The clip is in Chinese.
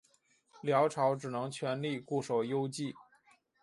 辽朝只能全力固守幽蓟。